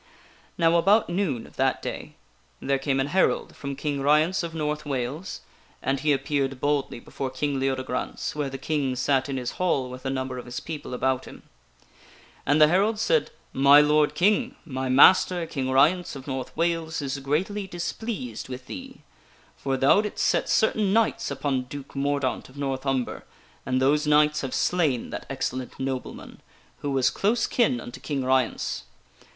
Now about noon of that day there came an herald from King Ryence of North Wales, and he appeared boldly before King Leodegrance where the King sat in his hall with a number of his people about him. King Ryence And the herald said :" My lord King : my master, King threatened King Ryence of North Wales, is greatly displeased with thee. For thou didst set certain knights upon Duke Mordaunt of North Umber, and those knights have slain that excellent nobleman, who was close kin unto King Ryence.